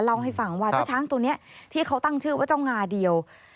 เล่าให้ฟังว่าเจ้าช้างตัวนี้ที่เขาตั้งชื่อว่าเจ้างาเดียว